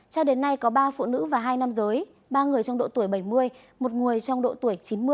cho đến nay có ba phụ nữ và hai nam giới ba người trong độ tuổi bảy mươi một người trong độ tuổi chín mươi